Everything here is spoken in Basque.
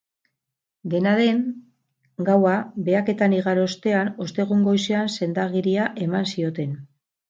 Dena den, gaua behaketan igaro ostean ostegun goizean sendagiria eman zioten.